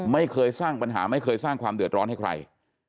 ไม่เคยสร้างปัญหาไม่เคยสร้างความเดือดร้อนให้ใคร